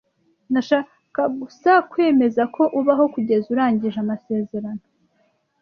Ndashaka gusa kwemeza ko ubaho kugeza urangije amasezerano.